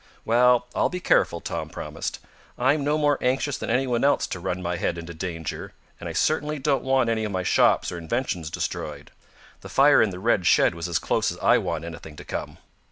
"Well, I'll be careful," Tom promised. "I'm no more anxious than anyone else to run my head into danger, and I certainly don't want any of my shops or inventions destroyed. The fire in the red shed was as close as I want anything to come."